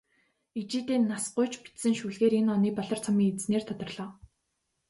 Ижийдээ нас гуйж бичсэн шүлгээр энэ оны "Болор цом"-ын эзнээр тодорлоо.